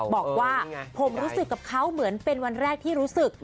บอกว่าผมรู้สึกกับเขาเหมือนเป็นวันแรกที่รู้สึก